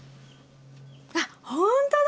あっほんとだ！